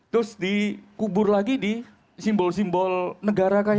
terus dikubur lagi di simbol simbol negara kayak gitu